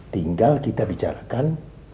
tinggal kita bicarakan